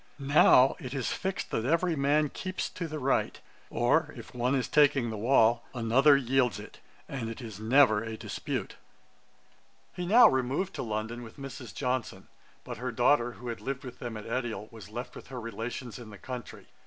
Now it is fixed that every man keeps to the right; or, if one is taking the wall, another yields it; and it is never a dispute.' He now removed to London with Mrs. Johnson; but her daughter, who had lived with them at Edial, was left with her relations in the country.